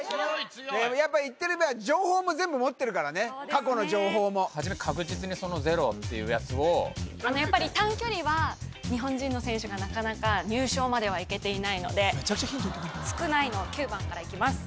やっぱ行ってれば情報も全部持ってるからね過去の情報もはじめ確実にそのゼロっていうやつを短距離は日本人の選手がなかなか入賞まではいけていないので少ない９番からいきます